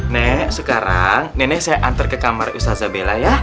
nek sekarang nenek saya antar ke kamar usazabela ya